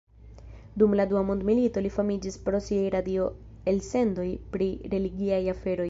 Dum la Dua mondmilito li famiĝis pro siaj radio-elsendoj pri religiaj aferoj.